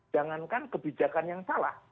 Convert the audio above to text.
jangankan kebijakan yang salah